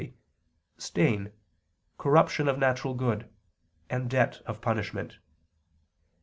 stain, corruption of natural good, and debt of punishment.